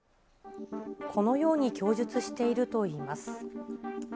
このように供述しているといいます。